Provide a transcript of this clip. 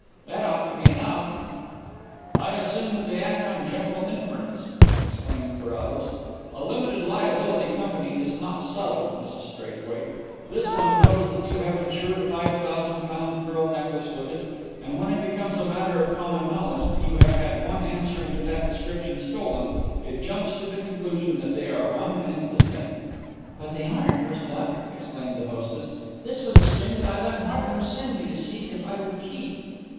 That ought to be enough." "I assume that they act on general inference," explained Carrados. "A limited liability company is not subtle, Mrs Straithwaite. This one knows that you have insured a five thousand pound pearl necklace with it, and when it becomes a matter of common knowledge that you have had one answering to that description stolen, it jumps to the conclusion that they are one and the same." "But they aren't worse luck," explained the hostess. "This was a string that I let Markhams send me to see if I would keep."